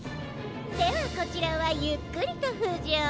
ではこちらはゆっくりとふじょう。